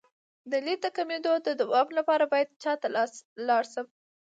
د لید د کمیدو د دوام لپاره باید چا ته لاړ شم؟